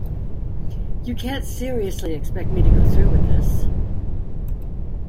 You can't seriously expect me to go through with this?